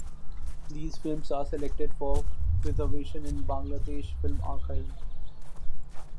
These films are selected for preservation in Bangladesh Film Archive.